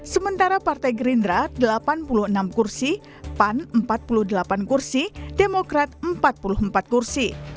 sementara partai gerindra delapan puluh enam kursi pan empat puluh delapan kursi demokrat empat puluh empat kursi